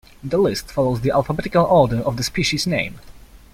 The list follows the alphabetical order of the species name.